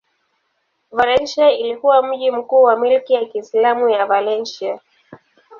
Valencia ilikuwa mji mkuu wa milki ya Kiislamu ya Valencia.